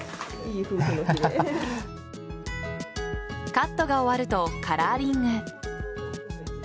カットが終わるとカラーリング。